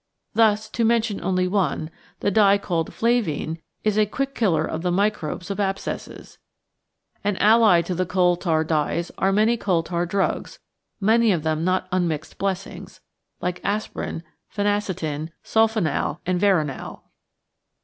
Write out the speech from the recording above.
Thus, to mention only one, the dye called "flavine" is a quick killer of the microbes of abscesses. And allied to the coal tar dyes are many coal tar drugs many of them not unmixed blessings like "aspirin," "phenacetin," "sulphonal," and "veronal."